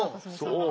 そう。